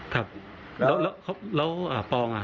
ครับแล้วแล้วแล้วแล้วปองอ่ะ